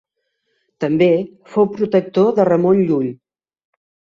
També fou protector de Ramon Llull.